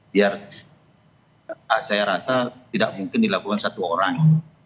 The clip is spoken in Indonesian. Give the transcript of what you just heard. biar saya rasa tidak mungkin dilakukan satu orang